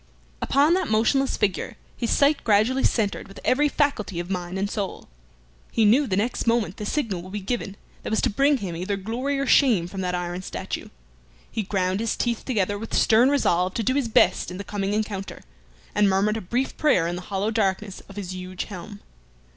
Upon that motionless figure his sight gradually centred with every faculty of mind and soul. He knew the next moment the signal would be given that was to bring him either glory or shame from that iron statue. He ground his teeth together with stern resolve to do his best in the coming encounter, and murmured a brief prayer in the hallow darkness of his huge helm.